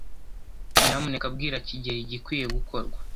Nyamuneka bwira kigeli igikwiye gukorwa.